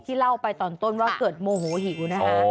ที่เล่าไปตอนต้นว่าเกิดโมโหหิว